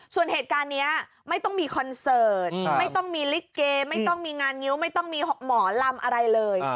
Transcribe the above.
ส่วนเหตุการณ์นี้ไม่ต้องมีคอนเสิร์ตไม่ต้องมีลิเกไม่ต้องมีงานงิ้วไม่ต้องมีหมอลำอะไรเลย